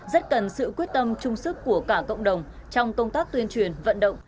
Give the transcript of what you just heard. rất cần sự quyết tâm chung sức của cả cộng đồng trong công tác tuyên truyền vận động